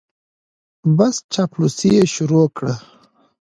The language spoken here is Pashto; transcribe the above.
بس چاپلوسي یې شروع کړه.